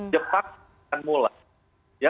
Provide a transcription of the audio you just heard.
jepang akan mulai